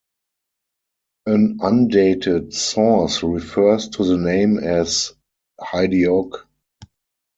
An undated source refers to the name as "Heidiog".